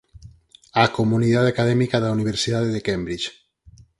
á comunidade académica da Universidade de Cambridge.